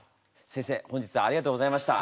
先生本日はありがとうございました。